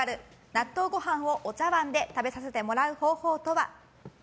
納豆ご飯をお茶わんで食べさせてもらう方法とは？